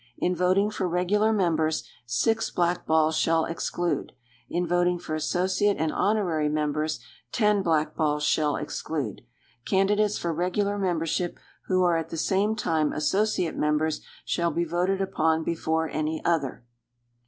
In voting for regular members, six blackballs shall exclude. In voting for associate and honorary members, ten blackballs shall exclude. Candidates for regular membership who are at the same time associate members, shall be voted upon before any other.